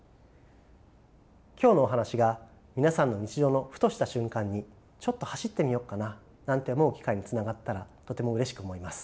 今日のお話が皆さんの日常のふとした瞬間にちょっと走ってみよっかななんて思う機会につながったらとてもうれしく思います。